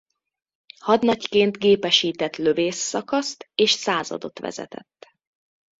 Hadnagyként gépesített lövész szakaszt és századot vezetett.